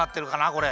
これ。